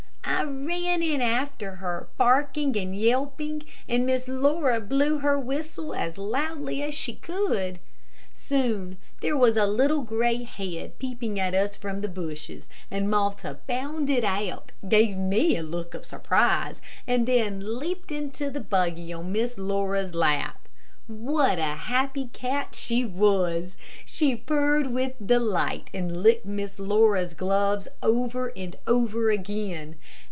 I ran in after her, barking and yelping, and Miss Laura blew her whistle as loudly as she could. Soon there was a little gray head peeping at us from the bushes, and Malta bounded out, gave me a look of surprise and then leaped into the buggy on Miss Laura's lap. What a happy cat she was! She purred with delight, and licked Miss Laura's gloves over and over again.